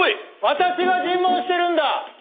私が尋問してるんだ。